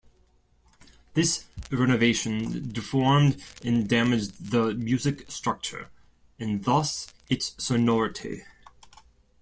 This renovation deformed and damaged the music structure and thus, its sonority.